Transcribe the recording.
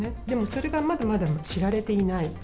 でもそれがまだまだ知られていない。